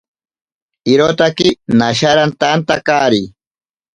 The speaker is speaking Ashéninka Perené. Irotaki nasharantantakari.